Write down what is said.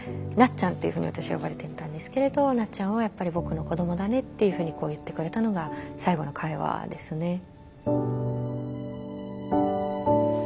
「なっちゃん」っていうふうに私は呼ばれてたんですけれど「なっちゃんはやっぱり僕の子どもだね」っていうふうに言ってくれたのが最後の会話ですね。